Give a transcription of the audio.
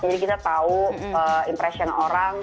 kita tahu impression orang